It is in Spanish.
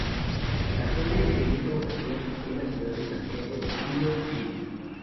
La sede en esa ocasión fue la ciudad de Santiago de Chile, Chile.